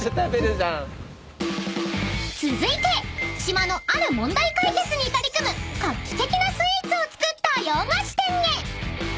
［続いて島のある問題解決に取り組む画期的なスイーツを作った洋菓子店へ］